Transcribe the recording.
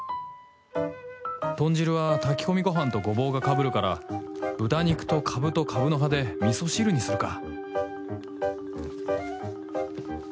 豚汁は炊き込みご飯とゴボウがかぶるから豚肉とかぶとかぶの葉で味噌汁にするか